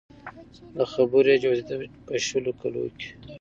له خبرو يې جوتېده په د شلو کلو کې